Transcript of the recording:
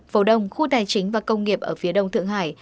phố đông khu tài chính và công nghiệp ở phía đông thượng hải